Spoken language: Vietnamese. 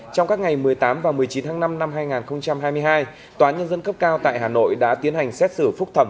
trong các ngày một mươi tám và một mươi chín tháng năm năm hai nghìn hai mươi hai tòa nhân dân cấp cao tại hà nội đã tiến hành xét xử phúc thẩm